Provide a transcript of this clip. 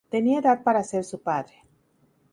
Tenía edad para ser su padre.